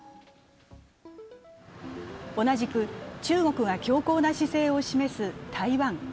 同じく中国が強硬な姿勢を示す台湾。